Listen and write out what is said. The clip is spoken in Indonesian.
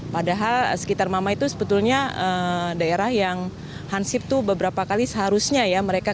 padahal sekitar mama itu sebetulnya daerah yang hansip itu beberapa kali seharusnya ya